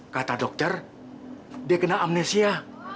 kata dokter dia kena amnesia